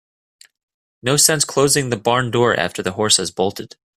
No sense closing the barn door after the horse has bolted.